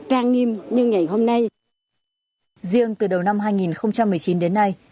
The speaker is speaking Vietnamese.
riêng từ đầu năm hai nghìn một mươi chín đến nay